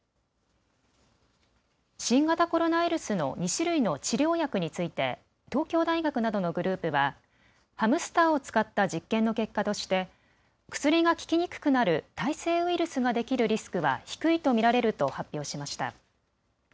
新型コロナウイルスの２種類の治療薬について東京大学などのグループはハムスターを使った実験の結果として薬が効きにくくなる耐性ウイルスができるリスクは低いと見られると発表しました。